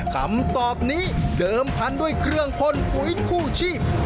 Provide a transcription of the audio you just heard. คำตอบนี้เดิมพันธุ์ด้วยเครื่องพ่นปุ๋ยคู่ชีพ